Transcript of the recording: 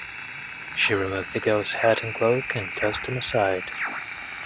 She removed the girl's hat and cloak and tossed them aside.